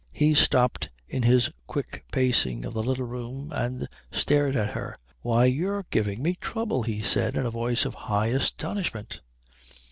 He stopped in his quick pacing of the little room and stared at her. "Why, you're giving me trouble!" he said, in a voice of high astonishment.